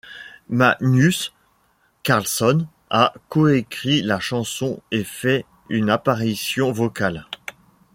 Magnus Carlsson a coécrit la chanson et fait une apparition vocale.